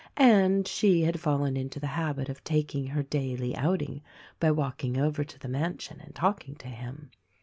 And she had fallen into the habit of taking her daily outing by walking over 184 THE RECORDING ANGEL to the mansion and talking to him.